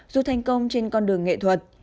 dù thành công trên con đường nghệ thuật